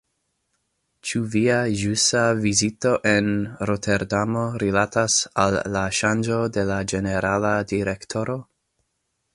Ĉu via ĵusa vizito en Roterdamo rilatas al la ŝanĝo de ĝenerala direktoro?